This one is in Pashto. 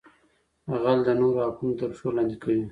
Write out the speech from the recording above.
غل د نورو حقونه تر پښو لاندې کوي